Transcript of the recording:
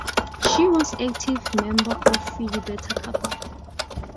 She was an active member of Phi Beta Kappa.